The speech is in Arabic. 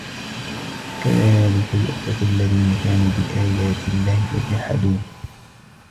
كذلك يؤفك الذين كانوا بآيات الله يجحدون